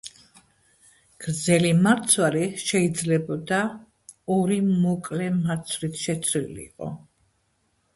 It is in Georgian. გრძელი მარცვალი შეიძლებოდა ორი მოკლე მარცვლით შეცვლილიყო.